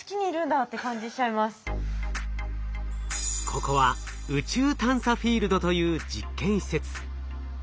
ここは宇宙探査フィールドという実験施設。